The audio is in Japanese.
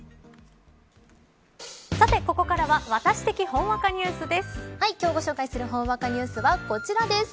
さて、ここからはワタシ的ほんわかニュースです。